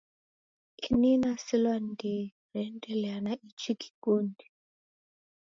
Ini nasilwa ni ndighi reendelea na ichi kikundi